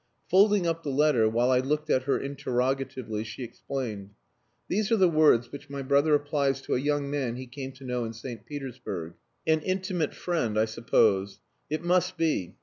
Folding up the letter, while I looked at her interrogatively, she explained "These are the words which my brother applies to a young man he came to know in St. Petersburg. An intimate friend, I suppose. It must be.